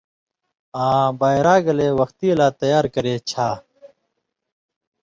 آں بائرا گلے وختی لا تیار کرے چھا۔